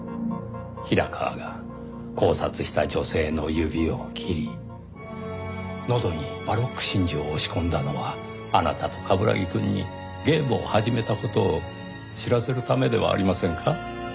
平川が絞殺した女性の指を切り喉にバロック真珠を押し込んだのはあなたと冠城くんにゲームを始めた事を知らせるためではありませんか？